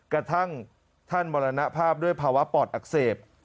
กระทั่งท่านมรณภาพด้วยภาวะปอดอักเสบ